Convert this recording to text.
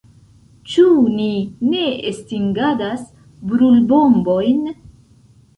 Ĉu ni ne estingadas brulbombojn?